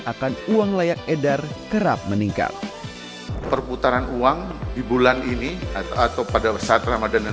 akan uang layak edar kerap meningkat perputaran uang di bulan ini atau pada saat ramadhan yang